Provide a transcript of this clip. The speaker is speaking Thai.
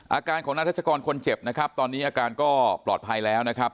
อาการของนายทัชกรคนเจ็บนะครับตอนนี้อาการก็ปลอดภัยแล้วนะครับ